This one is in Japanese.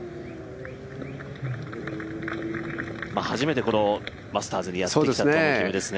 初めてこのマスターズにやってきたトム・キムですね。